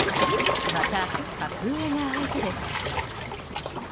また格上が相手です。